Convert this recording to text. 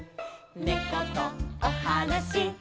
「ねことおはなしできる」